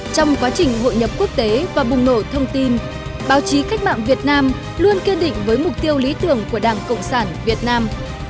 trong quá trình hội nhập quốc tế và bùng nổ thông tin báo chí cách mạng việt nam luôn kiên định với mục tiêu lý tưởng của đảng cộng sản việt nam